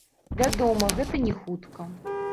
Вядома, гэта не хутка.